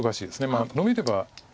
まあノビれば。